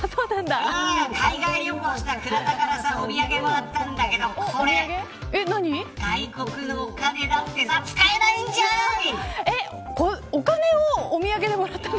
海外旅行した方から倉田からお土産もらったんだけどこれ、外国のお金だってさお金をお土産でもらったの。